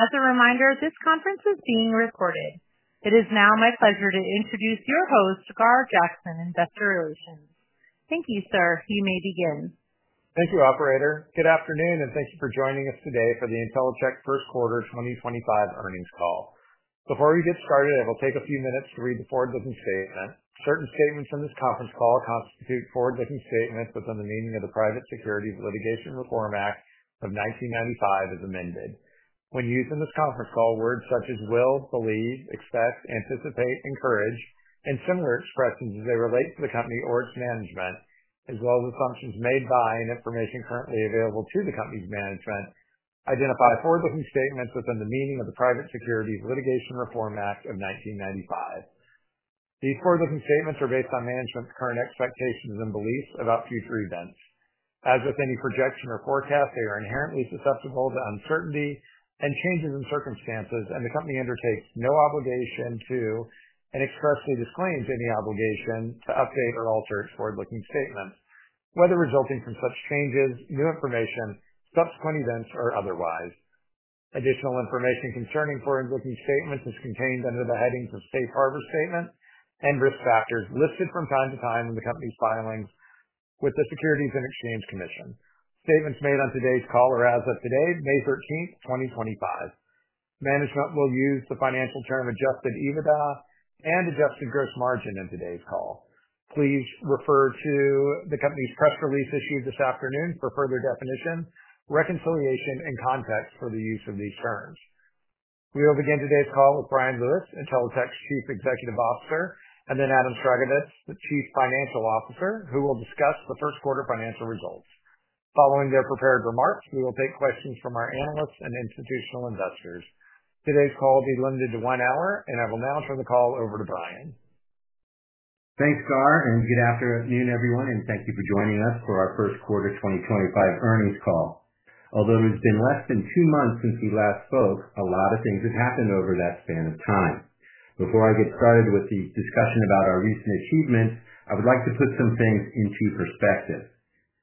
As a reminder, this conference is being recorded. It is now my pleasure to introduce your host, Gar Jackson, Investor Relations. Thank you, sir. You may begin. Thank you, operator. Good afternoon, and thank you for joining us today for the Intellicheck First Quarter 2025 Earnings Call. Before we get started, I will take a few minutes to read the forward-looking statement. Certain statements in this conference call constitute forward-looking statements within the meaning of the Private Securities Litigation Reform Act of 1995, as amended. When used in this conference call, words such as will, believe, expect, anticipate, encourage, and similar expressions as they relate to the company or its management, as well as assumptions made by and information currently available to the company's management, identify forward-looking statements within the meaning of the Private Securities Litigation Reform Act of 1995. These forward-looking statements are based on management's current expectations and beliefs about future events. As with any projection or forecast, they are inherently susceptible to uncertainty and changes in circumstances, and the company undertakes no obligation to and expressly disclaims any obligation to update or alter its forward-looking statements, whether resulting from such changes, new information, subsequent events, or otherwise. Additional information concerning forward-looking statements is contained under the headings of safe harbor statement and risk factors listed from time to time in the company's filings with the Securities and Exchange Commission. Statements made on today's call are as of today, May 13th, 2025. Management will use the financial term adjusted EBITDA and adjusted gross margin in today's call. Please refer to the company's press release issued this afternoon for further definition, reconciliation, and context for the use of these terms. We will begin today's call with Bryan Lewis, Intellicheck's Chief Executive Officer, and then Adam Sragovicz, the Chief Financial Officer, who will discuss the first quarter financial results. Following their prepared remarks, we will take questions from our analysts and institutional investors. Today's call will be limited to one hour, and I will now turn the call over to Bryan. Thanks, Gar, and good afternoon, everyone, and thank you for joining us for our first quarter 2025 earnings call. Although it has been less than two months since we last spoke, a lot of things have happened over that span of time. Before I get started with the discussion about our recent achievements, I would like to put some things into perspective.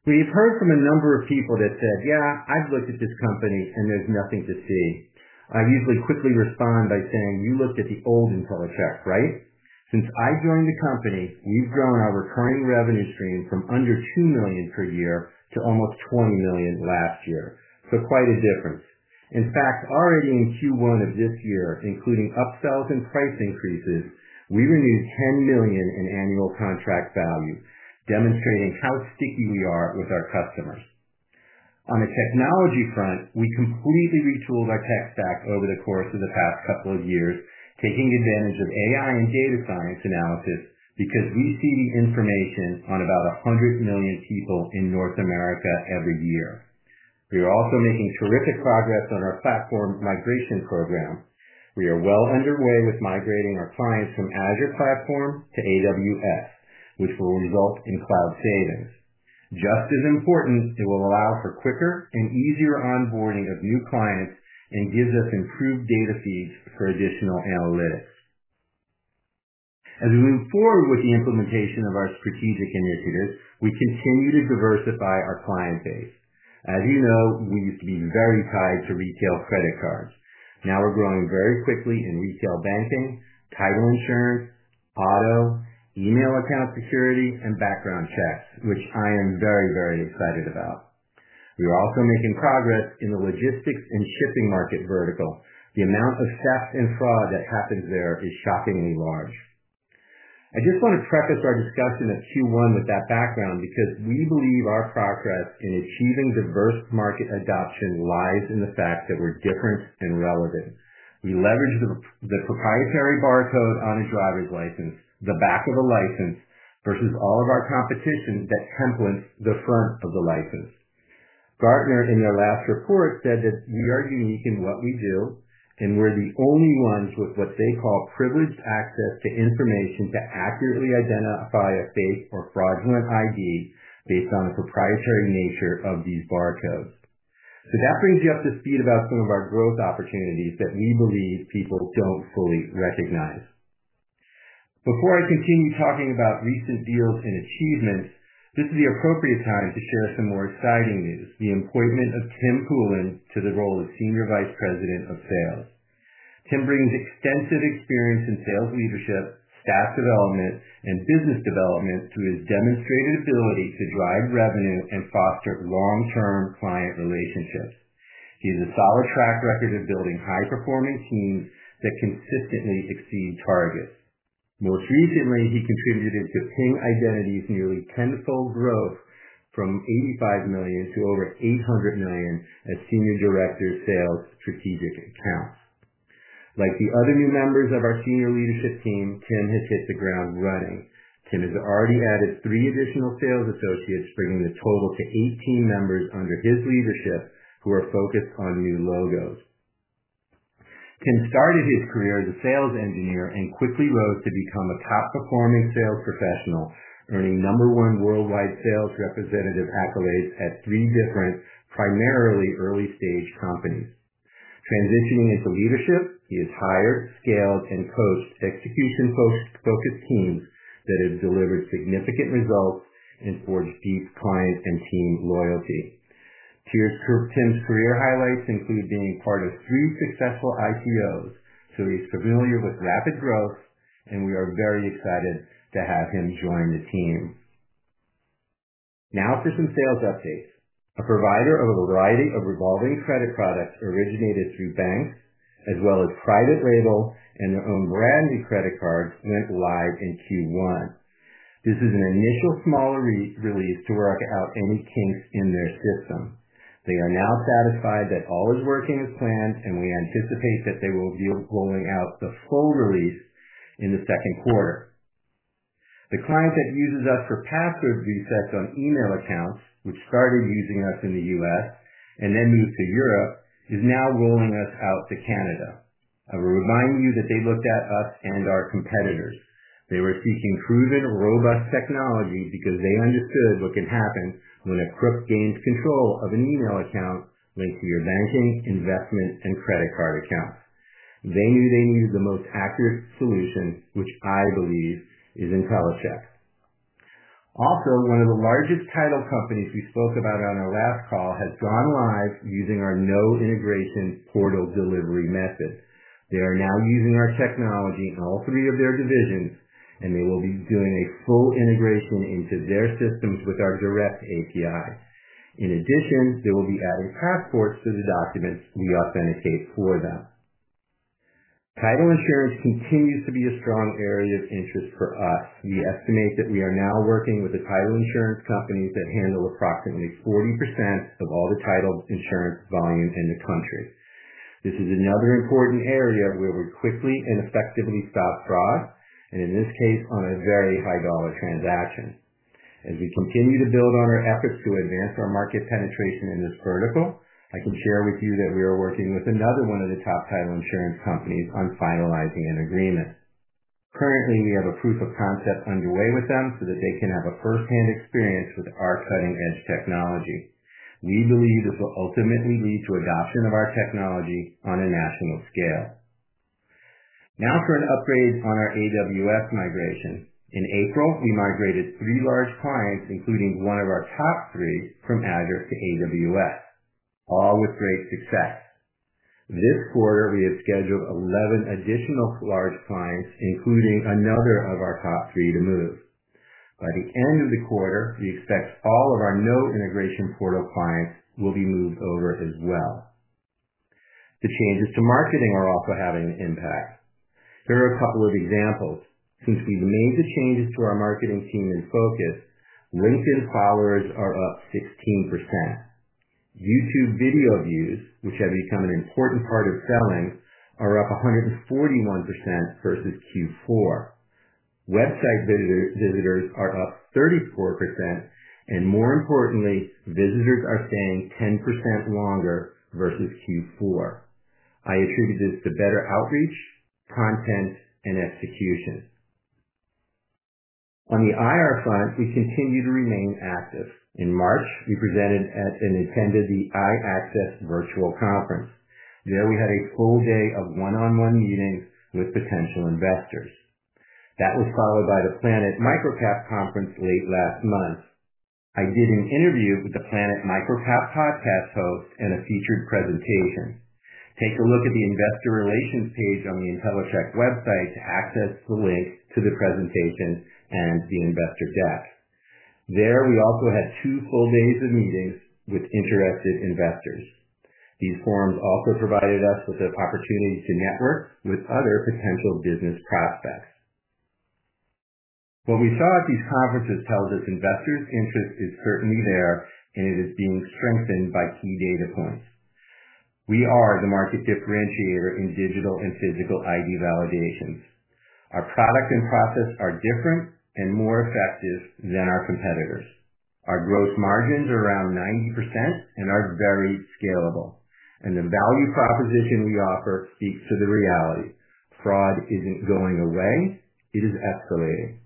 We've heard from a number of people that said, "Yeah, I've looked at this company and there's nothing to see." I usually quickly respond by saying, "You looked at the old Intellicheck, right?" Since I joined the company, we've grown our recurring revenue stream from under $2 million per year to almost $20 million last year, so quite a difference. In fact, already in Q1 of this year, including upsells and price increases, we renewed $10 million in annual contract value, demonstrating how sticky we are with our customers. On the technology front, we completely retooled our tech stack over the course of the past couple of years, taking advantage of AI and data science analysis because we see the information on about 100 million people in North America every year. We are also making terrific progress on our platform migration program. We are well underway with migrating our clients from Azure platform to AWS, which will result in cloud savings. Just as important, it will allow for quicker and easier onboarding of new clients and gives us improved data feeds for additional analytics. As we move forward with the implementation of our strategic initiatives, we continue to diversify our client base. As you know, we used to be very tied to retail credit cards. Now we're growing very quickly in retail banking, title insurance, auto, email account security, and background checks, which I am very, very excited about. We are also making progress in the logistics and shipping market vertical. The amount of theft and fraud that happens there is shockingly large. I just want to preface our discussion of Q1 with that background because we believe our progress in achieving diverse market adoption lies in the fact that we're different and relevant. We leverage the proprietary barcode on a driver's license, the back of a license versus all of our competition that templates the front of the license. Gartner, in their last report, said that we are unique in what we do, and we're the only ones with what they call privileged access to information to accurately identify a fake or fraudulent ID based on the proprietary nature of these barcodes. That brings you up to speed about some of our growth opportunities that we believe people don't fully recognize. Before I continue talking about recent deals and achievements, this is the appropriate time to share some more exciting news: the appointment of Tim Poulin to the role of Senior Vice President of Sales. Tim brings extensive experience in sales leadership, staff development, and business development through his demonstrated ability to drive revenue and foster long-term client relationships. He has a solid track record of building high-performing teams that consistently exceed targets. Most recently, he contributed to Ping Identity's nearly tenfold growth from $85 million to over $800 million as Senior Director of Sales Strategic Accounts. Like the other new members of our senior leadership team, Tim has hit the ground running. Tim has already added three additional sales associates, bringing the total to 18 members under his leadership who are focused on new logos. Tim started his career as a sales engineer and quickly rose to become a top-performing sales professional, earning number one worldwide sales representative accolades at three different primarily early-stage companies. Transitioning into leadership, he has hired, scaled, and coached execution-focused teams that have delivered significant results and forged deep client and team loyalty. Tim's career highlights include being part of three successful IPOs, so he's familiar with rapid growth, and we are very excited to have him join the team. Now for some sales updates. A provider of a variety of revolving credit products originated through banks, as well as private label and their own brand new credit cards, went live in Q1. This is an initial smaller release to work out any kinks in their system. They are now satisfied that all is working as planned, and we anticipate that they will be rolling out the full release in the second quarter. The client that uses us for password resets on email accounts, which started using us in the U.S. and then moved to Europe, is now rolling us out to Canada. I will remind you that they looked at us and our competitors. They were seeking proven, robust technology because they understood what can happen when a crook gains control of an email account linked to your banking, investment, and credit card accounts. They knew they needed the most accurate solution, which I believe is Intellicheck. Also, one of the largest title companies we spoke about on our last call has gone live using our no-integration portal delivery method. They are now using our technology in all three of their divisions, and they will be doing a full integration into their systems with our direct API. In addition, they will be adding passports to the documents we authenticate for them. Title insurance continues to be a strong area of interest for us. We estimate that we are now working with the title insurance companies that handle approximately 40% of all the title insurance volume in the country. This is another important area where we quickly and effectively stop fraud, and in this case, on a very high-dollar transaction. As we continue to build on our efforts to advance our market penetration in this vertical, I can share with you that we are working with another one of the top title insurance companies on finalizing an agreement. Currently, we have a proof of concept underway with them so that they can have a firsthand experience with our cutting-edge technology. We believe this will ultimately lead to adoption of our technology on a national scale. Now for an upgrade on our AWS migration. In April, we migrated three large clients, including one of our top three, from Azure to AWS, all with great success. This quarter, we have scheduled 11 additional large clients, including another of our top three to move. By the end of the quarter, we expect all of our no-integration portal clients will be moved over as well. The changes to marketing are also having an impact. Here are a couple of examples. Since we've made the changes to our marketing team in focus, LinkedIn followers are up 16%. YouTube video views, which have become an important part of selling, are up 141% versus Q4. Website visitors are up 34%, and more importantly, visitors are staying 10% longer versus Q4. I attribute this to better outreach, content, and execution. On the IR front, we continue to remain active. In March, we presented at and attended the iAccess virtual conference. There, we had a full day of one-on-one meetings with potential investors. That was followed by the Planet MicroCap conference late last month. I did an interview with the Planet MicroCap podcast host and a featured presentation. Take a look at the investor relations page on the Intellicheck website to access the link to the presentation and the investor deck. There, we also had two full days of meetings with interested investors. These forums also provided us with an opportunity to network with other potential business prospects. What we saw at these conferences tells us investors' interest is certainly there, and it is being strengthened by key data points. We are the market differentiator in digital and physical ID validations. Our product and process are different and more effective than our competitors. Our gross margins are around 90% and are very scalable. The value proposition we offer speaks to the reality. Fraud isn't going away; it is escalating.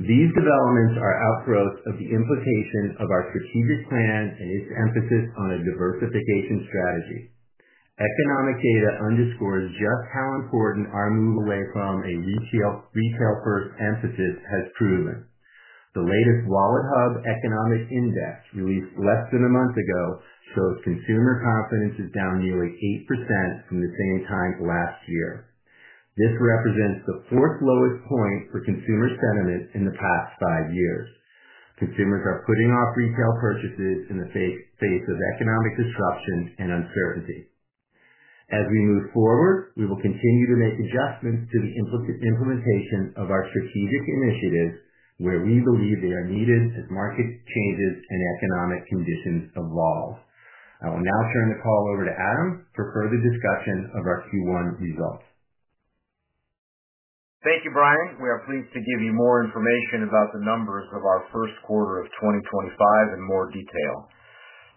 These developments are outgrowth of the implication of our strategic plan and its emphasis on a diversification strategy. Economic data underscores just how important our move away from a retail-first emphasis has proven. The latest WalletHub Economic Index, released less than a month ago, shows consumer confidence is down nearly 8% from the same time last year. This represents the fourth lowest point for consumer sentiment in the past five years. Consumers are putting off retail purchases in the face of economic disruption and uncertainty. As we move forward, we will continue to make adjustments to the implementation of our strategic initiatives where we believe they are needed as market changes and economic conditions evolve. I will now turn the call over to Adam for further discussion of our Q1 results. Thank you, Bryan. We are pleased to give you more information about the numbers of our first quarter of 2025 in more detail.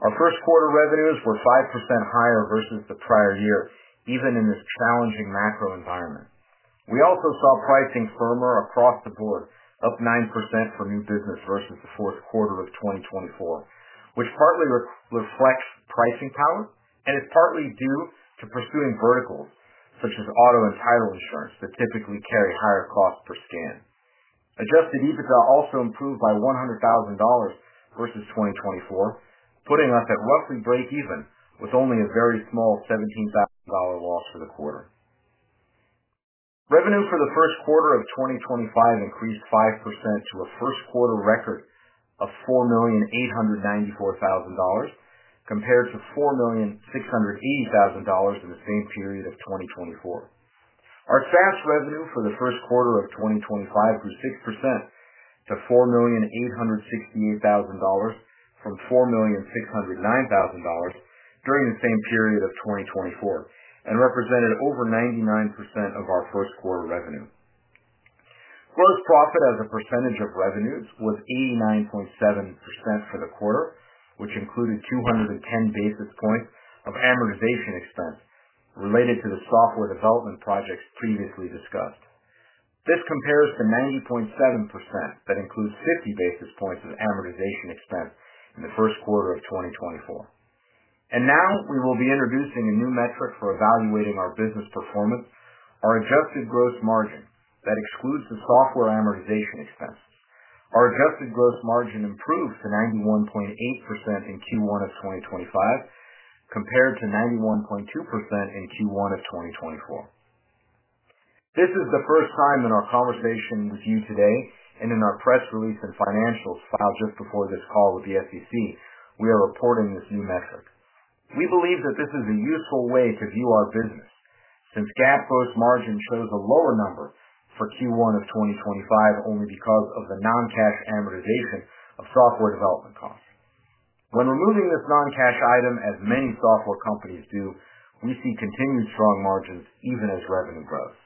Our first quarter revenues were 5% higher versus the prior year, even in this challenging macro environment. We also saw pricing firmer across the board, up 9% for new business versus the fourth quarter of 2024, which partly reflects pricing power, and it's partly due to pursuing verticals such as auto and title insurance that typically carry higher costs per scan. Adjusted EBITDA also improved by $100,000 versus 2024, putting us at roughly break-even with only a very small $17,000 loss for the quarter. Revenue for the first quarter of 2025 increased 5% to a first quarter record of $4,894,000 compared to $4,680,000 in the same period of 2024. Our SaaS revenue for the first quarter of 2025 grew 6% to $4,868,000 from $4,609,000 during the same period of 2024 and represented over 99% of our first quarter revenue. Gross profit as a percentage of revenues was 89.7% for the quarter, which included 210 basis points of amortization expense related to the software development projects previously discussed. This compares to 90.7% that includes 50 basis points of amortization expense in the first quarter of 2024. We will be introducing a new metric for evaluating our business performance: our adjusted gross margin that excludes the software amortization expense. Our adjusted gross margin improved to 91.8% in Q1 of 2025 compared to 91.2% in Q1 of 2024. This is the first time in our conversation with you today and in our press release and financials filed just before this call with the SEC, we are reporting this new metric. We believe that this is a useful way to view our business since GAAP gross margin shows a lower number for Q1 of 2025 only because of the non-cash amortization of software development costs. When removing this non-cash item, as many software companies do, we see continued strong margins even as revenue grows.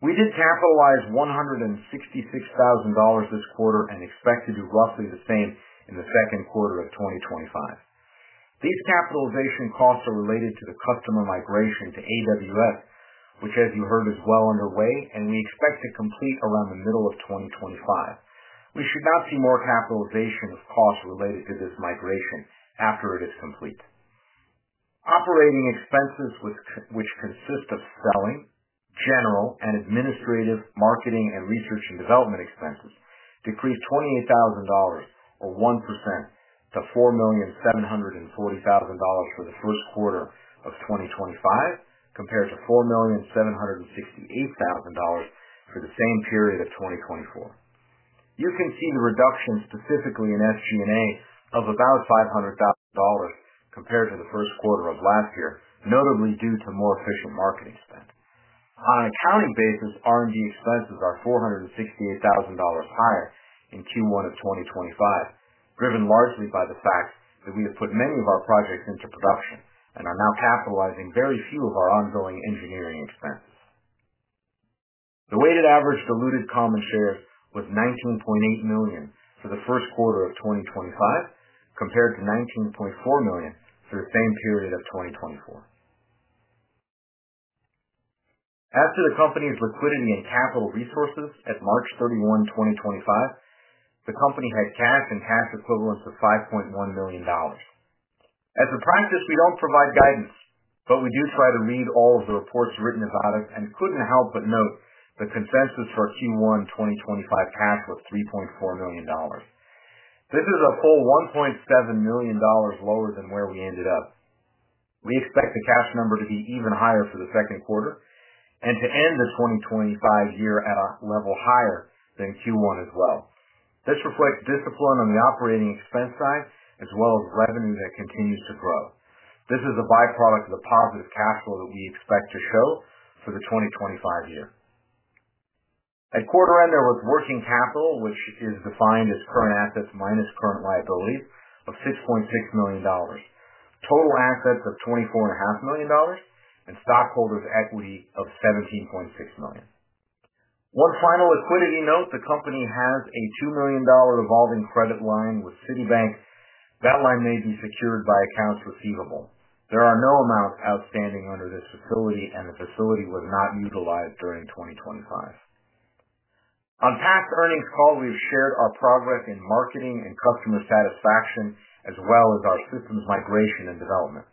We did capitalize $166,000 this quarter and expect to do roughly the same in the second quarter of 2025. These capitalization costs are related to the customer migration to AWS, which, as you heard, is well underway, and we expect to complete around the middle of 2025. We should not see more capitalization of costs related to this migration after it is complete. Operating expenses, which consist of selling, general, and administrative marketing and research and development expenses, decreased $28,000 or 1% to $4,740,000 for the first quarter of 2025 compared to $4,768,000 for the same period of 2024. You can see the reduction specifically in SG&A of about $500,000 compared to the first quarter of last year, notably due to more efficient marketing spend. On an accounting basis, R&D expenses are $468,000 higher in Q1 of 2025, driven largely by the fact that we have put many of our projects into production and are now capitalizing very few of our ongoing engineering expenses. The weighted average diluted common shares was $19.8 million for the first quarter of 2025 compared to $19.4 million for the same period of 2024. As to the company's liquidity and capital resources at March 31, 2025, the company had cash and cash equivalents of $5.1 million. As a practice, we don't provide guidance, but we do try to read all of the reports written about it and couldn't help but note the consensus for Q1 2025 cash was $3.4 million. This is a full $1.7 million lower than where we ended up. We expect the cash number to be even higher for the second quarter and to end the 2025 year at a level higher than Q1 as well. This reflects discipline on the operating expense side as well as revenue that continues to grow. This is a byproduct of the positive cash flow that we expect to show for the 2025 year. At quarter end, there was working capital, which is defined as current assets minus current liabilities of $6.6 million, total assets of $24.5 million, and stockholders' equity of $17.6 million. One final liquidity note: the company has a $2 million revolving credit line with Citibank. That line may be secured by accounts receivable. There are no amounts outstanding under this facility, and the facility was not utilized during 2025. On past earnings calls, we have shared our progress in marketing and customer satisfaction as well as our systems migration and development.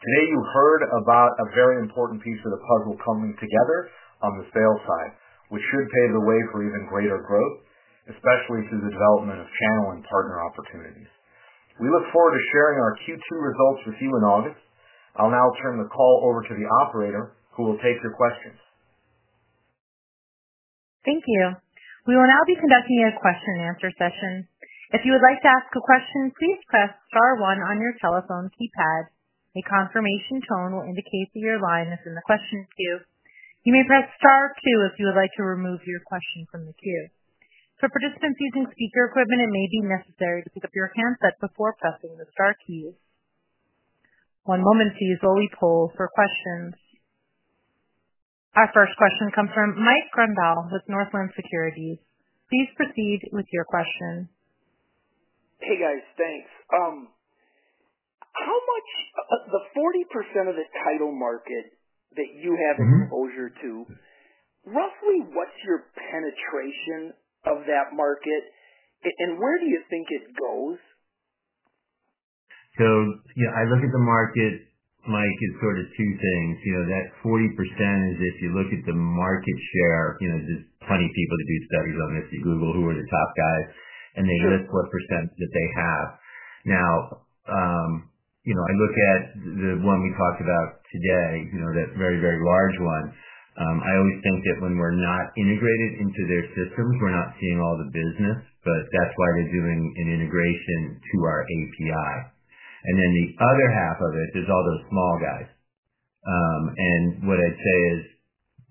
Today, you heard about a very important piece of the puzzle coming together on the sales side, which should pave the way for even greater growth, especially through the development of channel and partner opportunities. We look forward to sharing our Q2 results with you in August. I'll now turn the call over to the operator, who will take your questions. Thank you. We will now be conducting a question-and-answer session. If you would like to ask a question, please press star one on your telephone keypad. A confirmation tone will indicate that your line is in the question queue. You may press star two if you would like to remove your question from the queue. For participants using speaker equipment, it may be necessary to pick up your handset before pressing the star keys. One moment while we poll for questions. Our first question comes from Mike Grondahl with Northland Securities. Please proceed with your question. Hey, guys. Thanks. How much of the 40% of the title market that you have exposure to, roughly what's your penetration of that market, and where do you think it goes? I look at the market, Mike, as sort of two things. That 40% is, if you look at the market share, there's plenty of people that do studies on this at Google who are the top guys, and they list what percent that they have. I look at the one we talked about today, that very, very large one. I always think that when we're not integrated into their systems, we're not seeing all the business, but that's why they're doing an integration to our API. The other half of it, there's all those small guys. What I'd say is,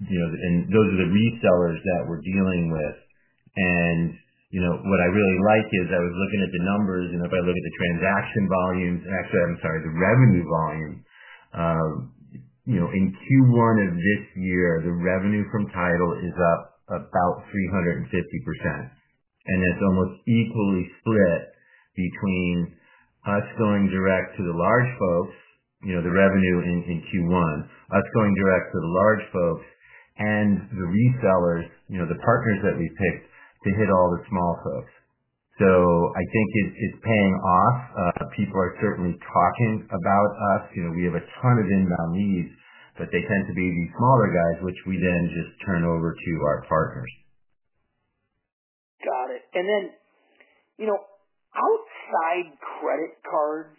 those are the resellers that we're dealing with. What I really like is I was looking at the numbers, and if I look at the transaction volumes, actually, I'm sorry, the revenue volume, in Q1 of this year, the revenue from title is up about 350%. That's almost equally split between us going direct to the large folks, the revenue in Q1, us going direct to the large folks, and the resellers, the partners that we've picked to hit all the small folks. I think it's paying off. People are certainly talking about us. We have a ton of inbound leads, but they tend to be these smaller guys, which we then just turn over to our partners. Got it. And then outside credit cards,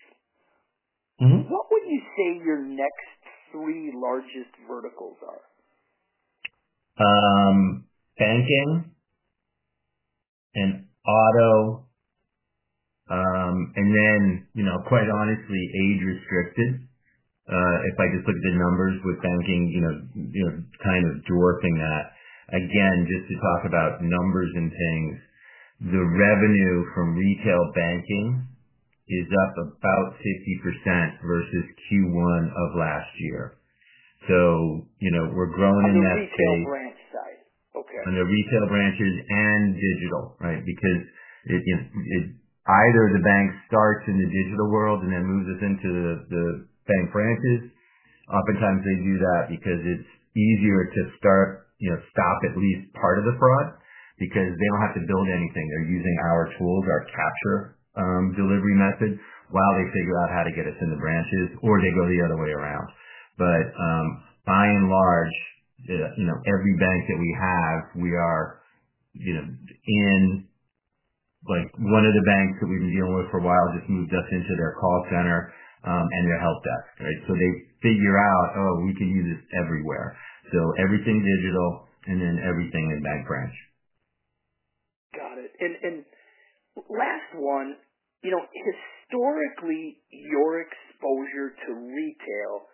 what would you say your next three largest verticals are? Banking and auto, and then, quite honestly, age-restricted. If I just look at the numbers with banking, kind of dwarfing that. Again, just to talk about numbers and things, the revenue from retail banking is up about 50% versus Q1 of last year. So we're growing in that space. The retail branches and digital, right? Because either the bank starts in the digital world and then moves us into the bank branches. Oftentimes, they do that because it's easier to stop at least part of the fraud because they don't have to build anything. They're using our tools, our capture delivery method, while they figure out how to get us in the branches, or they go the other way around. By and large, every bank that we have, we are in one of the banks that we've been dealing with for a while just moved us into their call center and their help desk, right? They figure out, "Oh, we can use this everywhere." Everything digital and then everything in bank branch. Got it. Last one, historically, your exposure to retail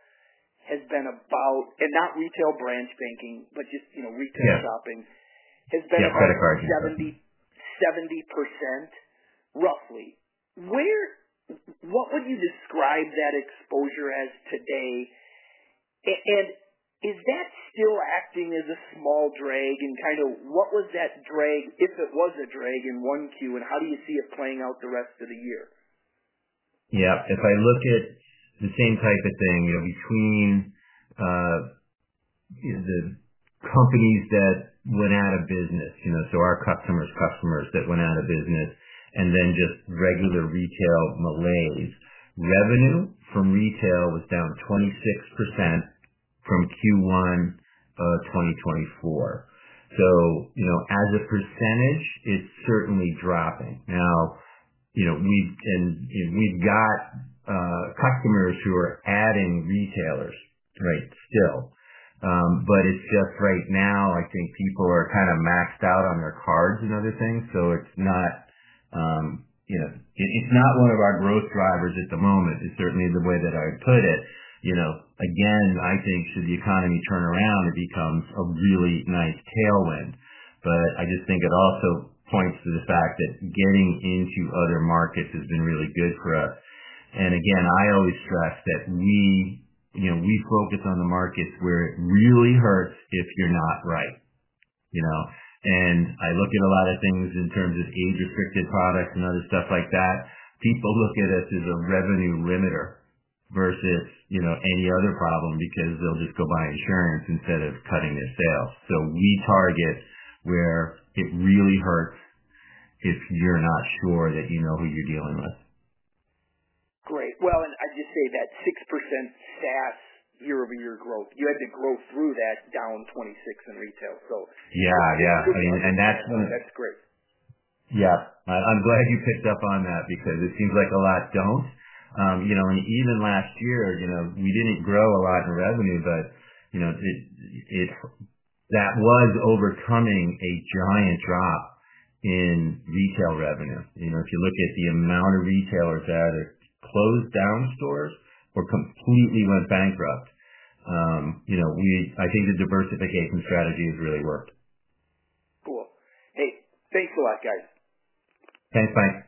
has been about, and not retail branch banking, but just retail shopping, has been about 70%, roughly. What would you describe that exposure as today? Is that still acting as a small drag? What was that drag, if it was a drag, in Q1, and how do you see it playing out the rest of the year? Yeah. If I look at the same type of thing between the companies that went out of business, so our customers' customers that went out of business, and then just regular retail malaise, revenue from retail was down 26% from Q1 of 2024. As a percentage, it's certainly dropping. Now, we've got customers who are adding retailers, right, still. It's just right now, I think people are kind of maxed out on their cards and other things, so it's not one of our growth drivers at the moment, is certainly the way that I would put it. Again, I think should the economy turn around, it becomes a really nice tailwind. I just think it also points to the fact that getting into other markets has been really good for us. I always stress that we focus on the markets where it really hurts if you're not right. I look at a lot of things in terms of age-restricted products and other stuff like that. People look at us as a revenue limiter versus any other problem because they'll just go buy insurance instead of cutting their sales. We target where it really hurts if you're not sure that you know who you're dealing with. Great. I'd just say that 6% SaaS year-over-year growth, you had to grow through that down 26 in retail. Yeah. Yeah. I mean, and that's. That's great. Yeah. I'm glad you picked up on that because it seems like a lot don't. Even last year, we didn't grow a lot in revenue, but that was overcoming a giant drop in retail revenue. If you look at the amount of retailers that either closed down stores or completely went bankrupt, I think the diversification strategy has really worked. Cool. Hey, thanks a lot, guys. Thanks. Bye.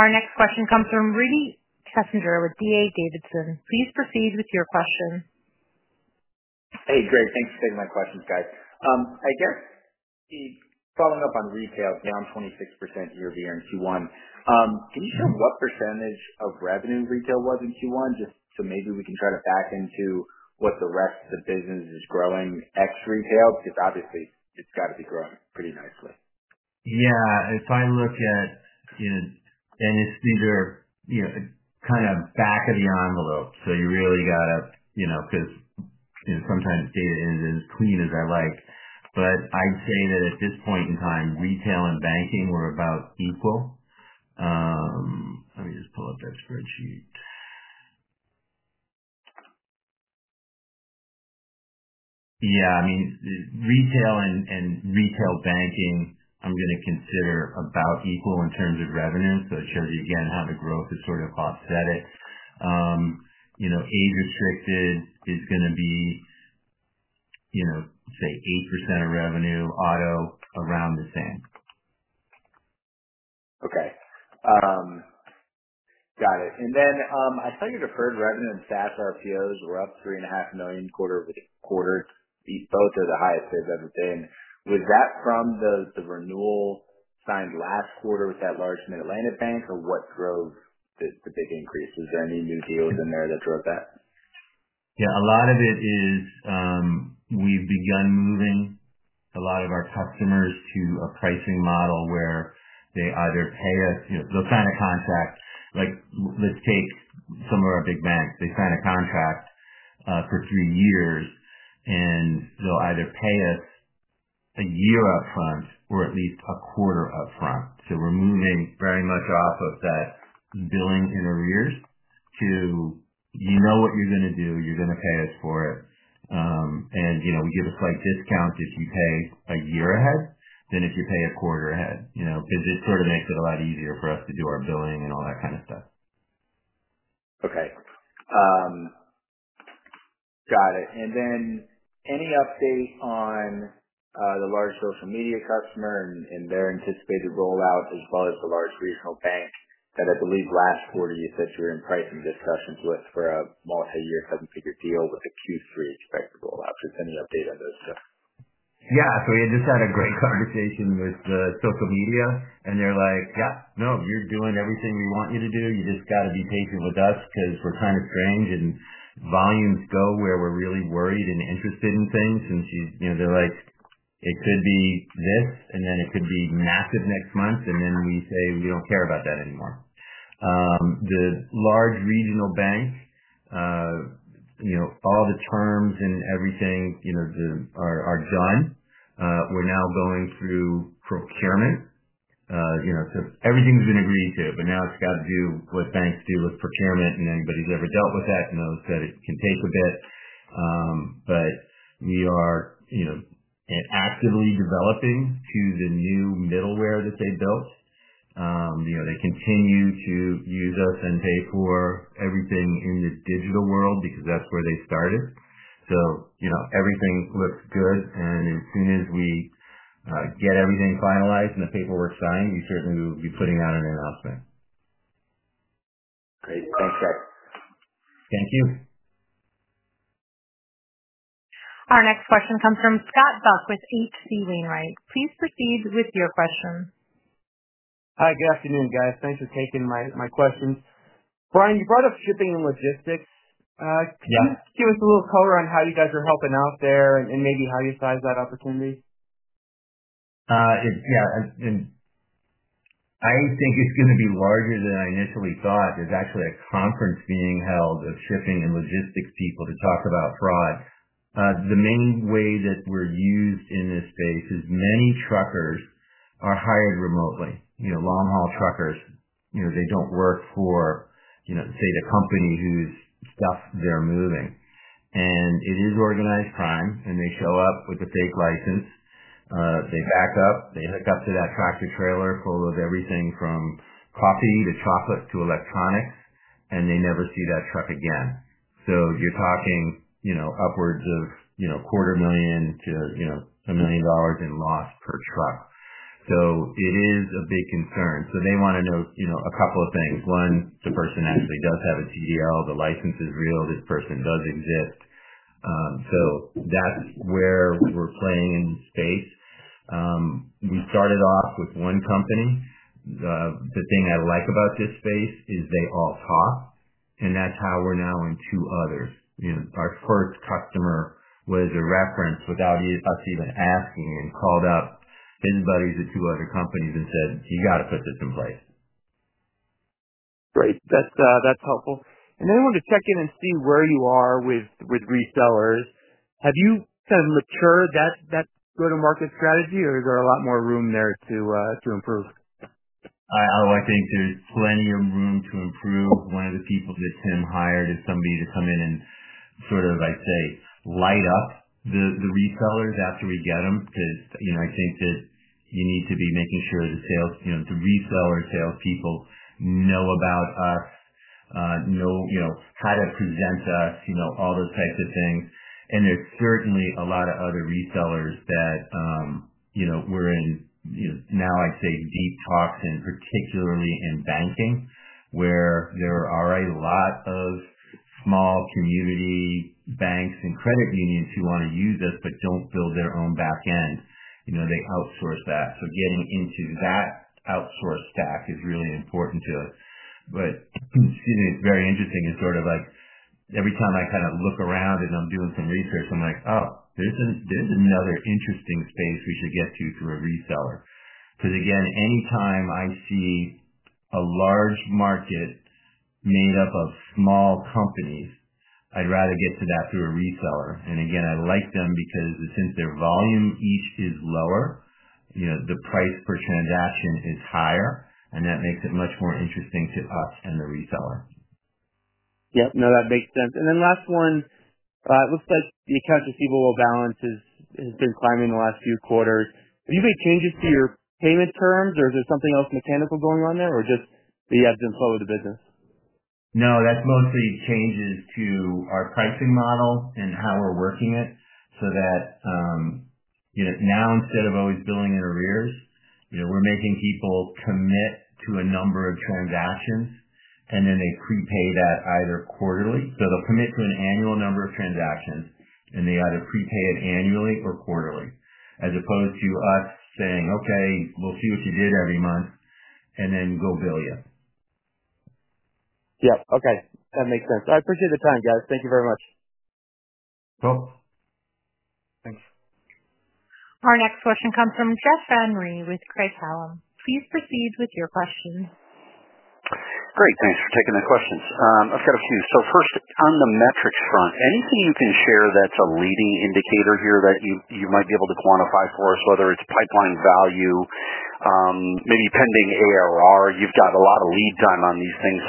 Our next question comes from Rudy Kessinger with D.A. Davidson. Please proceed with your question. Hey, great. Thanks for taking my questions, guys. I guess following up on retail down 26% year-over-year in Q1, can you show what percentage of revenue retail was in Q1 just so maybe we can try to back into what the rest of the business is growing ex-retail? Because obviously, it's got to be growing pretty nicely. Yeah. If I look at, and it's either kind of back of the envelope, so you really got to because sometimes data isn't as clean as I like. I'd say that at this point in time, retail and banking were about equal. Let me just pull up that spreadsheet. Yeah. I mean, retail and retail banking, I'm going to consider about equal in terms of revenue. It shows you again how the growth has sort of offset it. Age-restricted is going to be, say, 8% of revenue. Auto, around the same. Okay. Got it. I saw your deferred revenue and SaaS RPOs were up $3.5 million quarter-over-quarter. Both are the highest they've ever been. Was that from the renewal signed last quarter with that large Mid-Atlantic bank, or what drove the big increase? Was there any new deals in there that drove that? Yeah. A lot of it is we've begun moving a lot of our customers to a pricing model where they either pay us, they'll sign a contract. Let's take some of our big banks. They sign a contract for three years, and they'll either pay us a year upfront or at least a quarter upfront. We are moving very much off of that billing inter-years to, "You know what you're going to do. You're going to pay us for it." We give a slight discount if you pay a year ahead than if you pay a quarter ahead because it sort of makes it a lot easier for us to do our billing and all that kind of stuff. Okay. Got it. Any update on the large social media customer and their anticipated rollout as well as the large regional bank that I believe last quarter you said you were in pricing discussions with for a multi-year seven-figure deal with a Q3 expected rollout? Just any update on those two? Yeah. We had just had a great conversation with social media, and they're like, "Yeah. No, you're doing everything we want you to do. You just got to be patient with us because we're kind of strange, and volumes go where we're really worried and interested in things." They're like, "It could be this, and then it could be massive next month," and then we say, "We don't care about that anymore." The large regional bank, all the terms and everything are done. We're now going through procurement. Everything's been agreed to, but now it's got to do what banks do with procurement, and anybody who's ever dealt with that knows that it can take a bit. We are actively developing to the new middleware that they built. They continue to use us and pay for everything in the digital world because that's where they started. Everything looks good. As soon as we get everything finalized and the paperwork signed, we certainly will be putting out an announcement. Great. Thanks, guys. Thank you. Our next question comes from Scott Buck with H.C. Wainwright. Please proceed with your question. Hi. Good afternoon, guys. Thanks for taking my questions. Brian, you brought up shipping and logistics. Can you give us a little color on how you guys are helping out there and maybe how you size that opportunity? Yeah. I think it's going to be larger than I initially thought. There's actually a conference being held of shipping and logistics people to talk about fraud. The main way that we're used in this space is many truckers are hired remotely, long-haul truckers. They don't work for, say, the company whose stuff they're moving. It is organized crime, and they show up with a fake license. They back up. They hook up to that tractor trailer full of everything from coffee to chocolate to electronics, and they never see that truck again. You're talking upwards of $250,000 million-$1 million in loss per truck. It is a big concern. They want to know a couple of things. One, the person actually does have a TDL. The license is real. This person does exist. That's where we're playing in this space. We started off with one company. The thing I like about this space is they all talk, and that's how we're now in two others. Our first customer was a reference without us even asking and called up his buddies at two other companies and said, "You got to put this in place. Great. That's helpful. I wanted to check in and see where you are with resellers. Have you kind of matured that go-to-market strategy, or is there a lot more room there to improve? Oh, I think there's plenty of room to improve. One of the people that Tim hired is somebody to come in and sort of, I'd say, light up the resellers after we get them because I think that you need to be making sure the reseller salespeople know about us, know how to present us, all those types of things. There's certainly a lot of other resellers that we're in now, I'd say, deep talks, and particularly in banking, where there are a lot of small community banks and credit unions who want to use us but don't build their own back end. They outsource that. Getting into that outsourced stack is really important to us. Excuse me, it's very interesting. It's sort of like every time I kind of look around and I'm doing some research, I'm like, "Oh, there's another interesting space we should get to through a reseller." Because again, anytime I see a large market made up of small companies, I'd rather get to that through a reseller. I like them because since their volume each is lower, the price per transaction is higher, and that makes it much more interesting to us and the reseller. Yep. No, that makes sense. Then last one, it looks like the accounts receivable balance has been climbing the last few quarters. Have you made changes to your payment terms, or is there something else mechanical going on there, or just the ebbs and flows of the business? No, that's mostly changes to our pricing model and how we're working it so that now, instead of always billing in arrears, we're making people commit to a number of transactions, and then they prepay that either quarterly. So they'll commit to an annual number of transactions, and they either prepay it annually or quarterly as opposed to us saying, "Okay, we'll see what you did every month," and then go bill you. Yep. Okay. That makes sense. I appreciate the time, guys. Thank you very much. Cool. Thanks. Our next question comes from Jeff Van Rhee with Craig-Hallum. Please proceed with your question. Great. Thanks for taking the questions. I've got a few. First, on the metrics front, anything you can share that's a leading indicator here that you might be able to quantify for us, whether it's pipeline value, maybe pending ARR? You've got a lot of lead time on these things.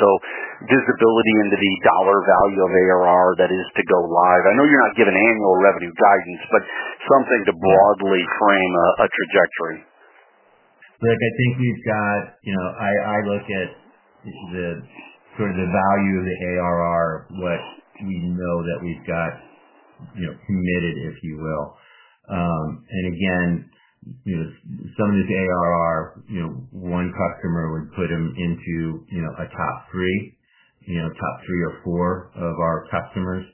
Visibility into the dollar value of ARR that is to go live. I know you're not giving annual revenue guidance, but something to broadly frame a trajectory. Look, I think we've got, I look at sort of the value of the ARR, what we know that we've got committed, if you will. And again, some of this ARR, one customer would put them into a top three, top three or four of our customers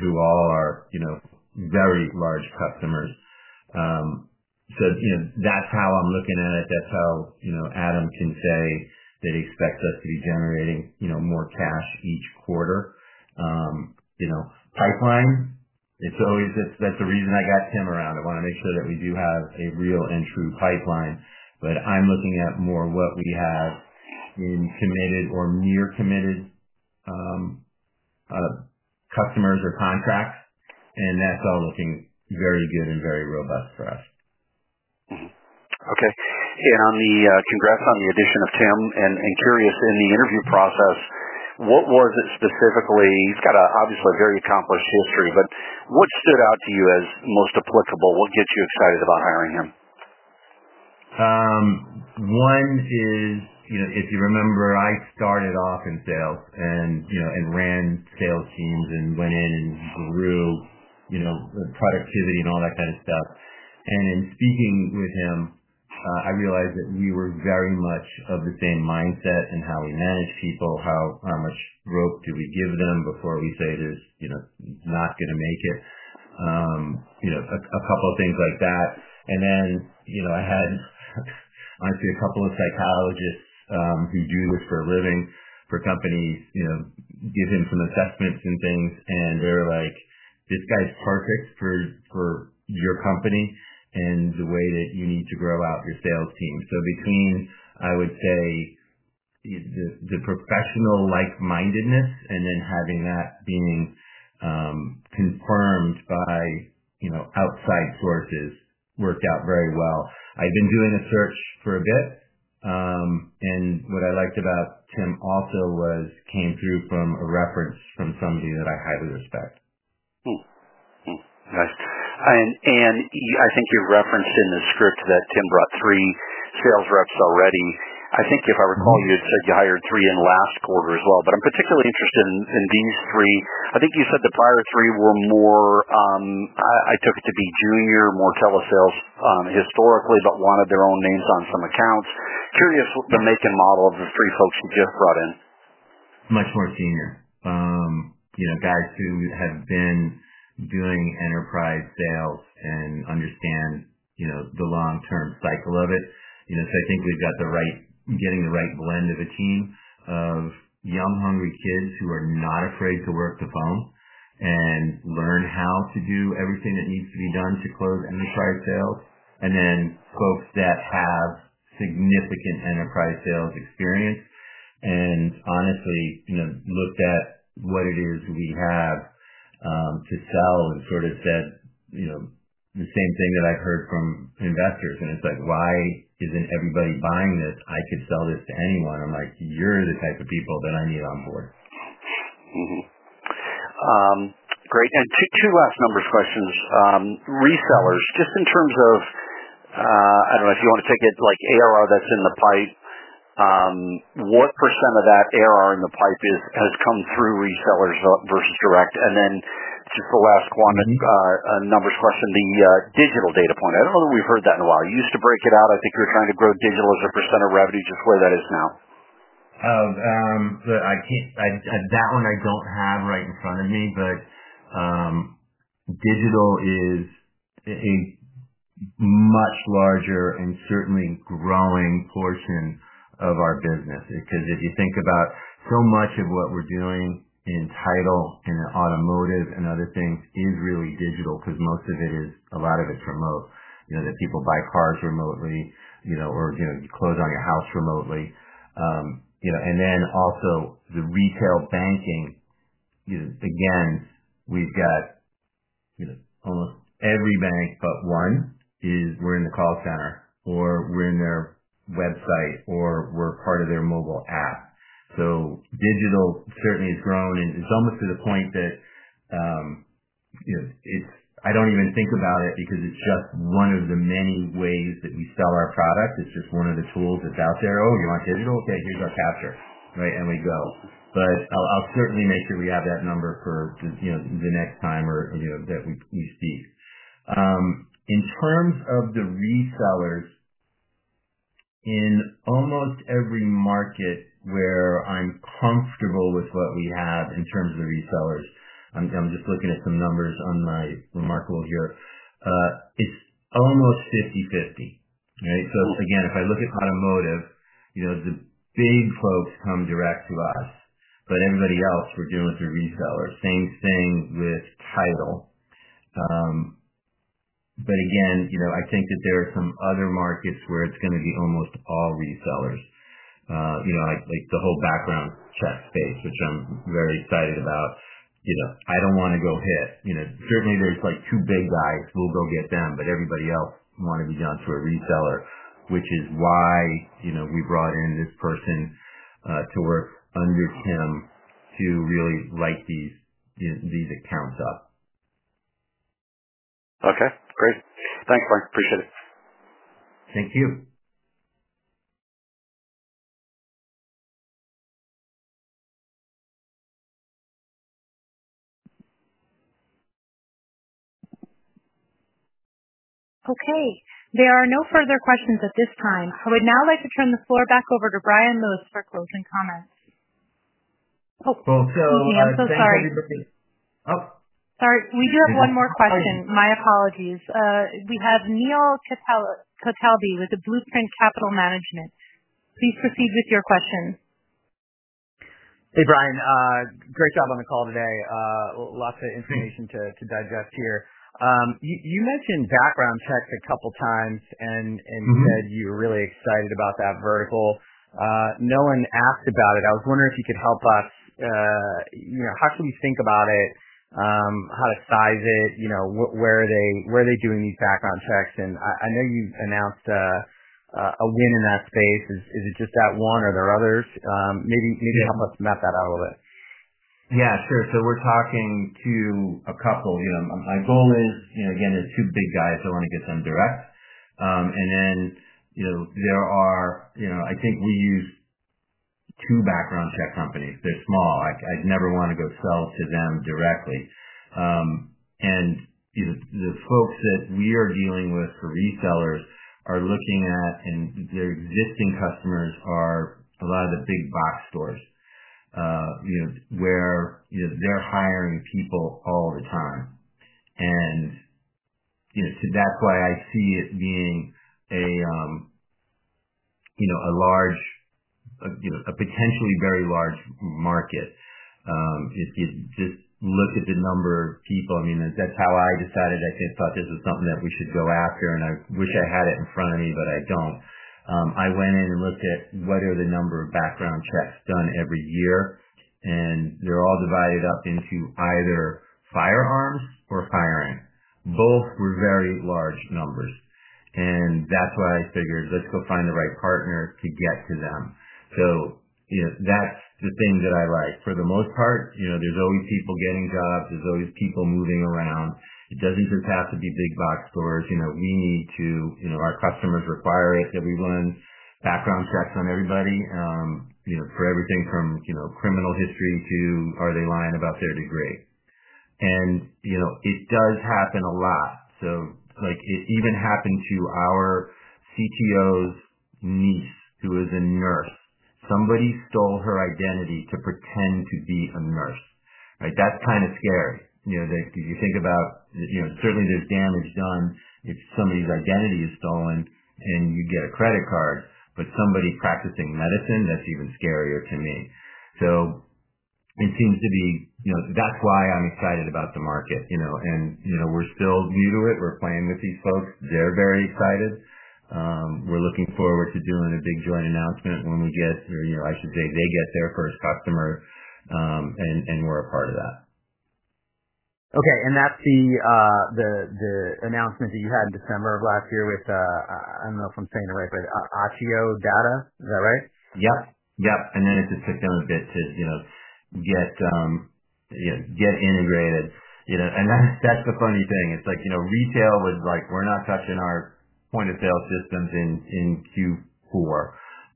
who all are very large customers. That's how I'm looking at it. That's how Adam can say that he expects us to be generating more cash each quarter. Pipeline, that's the reason I got Tim around. I want to make sure that we do have a real and true pipeline. I'm looking at more what we have in committed or near-committed customers or contracts, and that's all looking very good and very robust for us. Okay. Congrats on the addition of Tim. Curious, in the interview process, what was it specifically? He's got obviously a very accomplished history, but what stood out to you as most applicable? What gets you excited about hiring him? One is, if you remember, I started off in sales and ran sales teams and went in and grew productivity and all that kind of stuff. In speaking with him, I realized that we were very much of the same mindset in how we manage people, how much rope do we give them before we say, "They're not going to make it." A couple of things like that. I had, honestly, a couple of psychologists who do this for a living for companies give him some assessments and things, and they're like, "This guy's perfect for your company and the way that you need to grow out your sales team." Between, I would say, the professional like-mindedness and then having that being confirmed by outside sources worked out very well. I've been doing a search for a bit, and what I liked about Tim also was came through from a reference from somebody that I highly respect. Nice. I think you've referenced in the script that Tim brought three sales reps already. I think if I recall, you had said you hired three in last quarter as well. I'm particularly interested in these three. I think you said the prior three were more, I took it to be junior, more telesales historically, but wanted their own names on some accounts. Curious, the make and model of the three folks you just brought in. Much more senior. Guys who have been doing enterprise sales and understand the long-term cycle of it. I think we've got the right blend of a team of young, hungry kids who are not afraid to work the phone and learn how to do everything that needs to be done to close enterprise sales, and then folks that have significant enterprise sales experience and honestly looked at what it is we have to sell and sort of said the same thing that I've heard from investors. It's like, "Why isn't everybody buying this? I could sell this to anyone." I'm like, "You're the type of people that I need on board. Great. Two last numbers questions. Resellers, just in terms of I do not know if you want to take it like ARR that is in the pipe. What percent of that ARR in the pipe has come through resellers versus direct? The last quant numbers question, the digital data point. I do not know that we have heard that in a while. You used to break it out. I think you were trying to grow digital as a percent of revenue. Just where that is now? Oh, that one I don't have right in front of me, but digital is a much larger and certainly growing portion of our business because if you think about so much of what we're doing in title and automotive and other things is really digital because most of it is, a lot of it's remote. People buy cars remotely or you close on your house remotely. Also, the retail banking, again, we've got almost every bank but one is we're in the call center or we're in their website or we're part of their mobile app. Digital certainly has grown, and it's almost to the point that I don't even think about it because it's just one of the many ways that we sell our product. It's just one of the tools that's out there. "Oh, you want digital? Okay, here's our capture," right? And we go. I'll certainly make sure we have that number for the next time or that we speak. In terms of the resellers, in almost every market where I'm comfortable with what we have in terms of the resellers, I'm just looking at some numbers on my remarkable here. It's almost 50/50, right? Again, if I look at automotive, the big folks come direct to us, but everybody else we're dealing with are resellers. Same thing with title. Again, I think that there are some other markets where it's going to be almost all resellers, like the whole background check space, which I'm very excited about. I don't want to go hit. Certainly, there's two big guys. We'll go get them, but everybody else want to be done through a reseller, which is why we brought in this person to work under Tim to really light these accounts up. Okay. Great. Thanks, Bryan. Appreciate it. Thank you. Okay. There are no further questions at this time. I would now like to turn the floor back over to Bryan Lewis for closing comments. Oh, okay. I'm so sorry. Oh, sorry. We do have one more question. My apologies. We have Neil Cataldi with Blueprint Capital Management. Please proceed with your question. Hey, Bryan. Great job on the call today. Lots of information to digest here. You mentioned background checks a couple of times and said you were really excited about that vertical. No one asked about it. I was wondering if you could help us. How should we think about it? How to size it? Where are they doing these background checks? I know you announced a win in that space. Is it just that one or are there others? Maybe help us map that out a little bit. Yeah, sure. We're talking to a couple. My goal is, again, there's two big guys. I want to get them direct. Then there are, I think, we use two background check companies. They're small. I'd never want to go sell to them directly. The folks that we are dealing with for resellers are looking at, and their existing customers are a lot of the big box stores where they're hiring people all the time. That's why I see it being a large, a potentially very large market. Just look at the number of people. I mean, that's how I decided. I thought this was something that we should go after, and I wish I had it in front of me, but I don't. I went in and looked at what are the number of background checks done every year, and they're all divided up into either firearms or firing. Both were very large numbers. That's why I figured, "Let's go find the right partner to get to them." That's the thing that I like. For the most part, there's always people getting jobs. There's always people moving around. It doesn't just have to be big box stores. Our customers require it that we run background checks on everybody for everything from criminal history to are they lying about their degree. It does happen a lot. It even happened to our CTO's niece who is a nurse. Somebody stole her identity to pretend to be a nurse, right? That's kind of scary. If you think about, certainly, there's damage done if somebody's identity is stolen and you get a credit card, but somebody practicing medicine, that's even scarier to me. It seems to be that's why I'm excited about the market. We're still new to it. We're playing with these folks. They're very excited. We're looking forward to doing a big joint announcement when we get or I should say they get their first customer, and we're a part of that. Okay. And that's the announcement that you had in December of last year with, I don't know if I'm saying it right, but Accio Data. Is that right? Yep. Yep. It just took them a bit to get integrated. That's the funny thing. It's like retail was like, "We're not touching our point of sale systems in Q4,"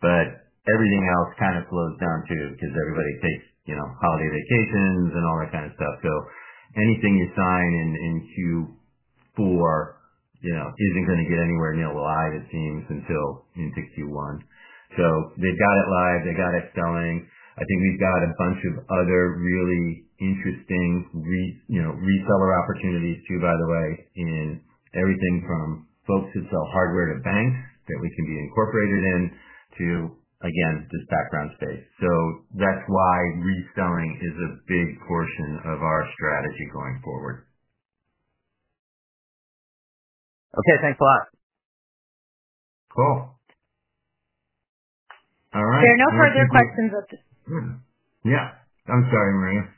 but everything else kind of slows down too because everybody takes holiday vacations and all that kind of stuff. Anything you sign in Q4 is not going to get anywhere near live, it seems, until into Q1. They've got it live. They got it selling. I think we've got a bunch of other really interesting reseller opportunities too, by the way, in everything from folks who sell hardware to banks that we can be incorporated in to, again, this background space. That's why reselling is a big portion of our strategy going forward. Okay. Thanks a lot. Cool. All right. There are no further questions at this time. Yeah. I'm sorry, Maria.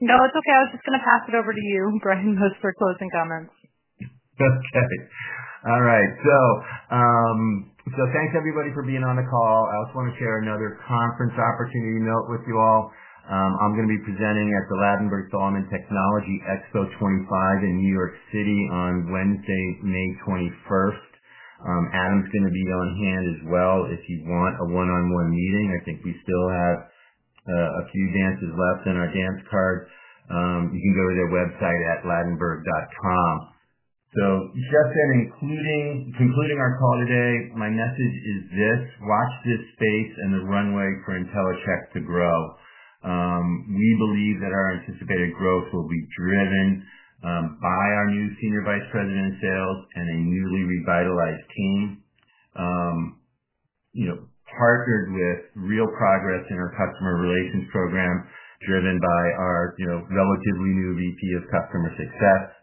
No, it's okay. I was just going to pass it over to you, Bryan Lewis, for closing comments. Okay. All right. So thanks, everybody, for being on the call. I just want to share another conference opportunity note with you all. I'm going to be presenting at the Ladenburg Thalmann Technology Expo 25 in New York City on Wednesday, May 21st. Adam's going to be on hand as well if you want a one-on-one meeting. I think we still have a few dances left in our dance cards. You can go to their website at ladenburg.com. In concluding our call today, my message is this: watch this space and the runway for Intellicheck to grow. We believe that our anticipated growth will be driven by our new Senior Vice President of Sales and a newly revitalized team partnered with real progress in our customer relations program driven by our relatively new VP of Customer Success.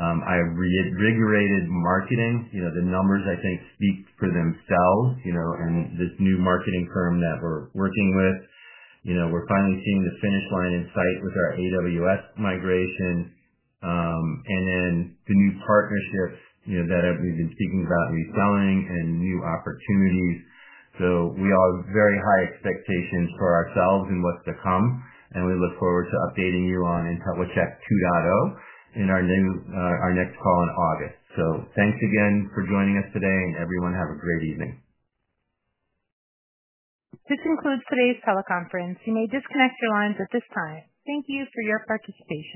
I have reinvigorated marketing. The numbers, I think, speak for themselves. This new marketing firm that we're working with, we're finally seeing the finish line in sight with our AWS migration. The new partnerships that we've been speaking about, reselling and new opportunities. We all have very high expectations for ourselves and what's to come. We look forward to updating you on Intellicheck 2.0 in our next call in August. Thanks again for joining us today, and everyone, have a great evening. This concludes today's teleconference. You may disconnect your lines at this time. Thank you for your participation.